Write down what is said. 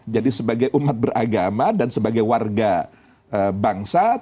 jadi sebagai umat beragama dan sebagai warga bangsa tentu hukum itu